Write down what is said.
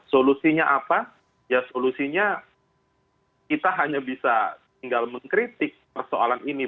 solusinya apa ya solusinya kita hanya bisa tinggal mengkritik persoalan ini